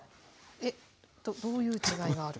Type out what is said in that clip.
えっどういう違いがあるか。